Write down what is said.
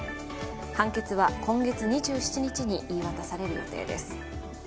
判決は今月２７日に言い渡される予定です。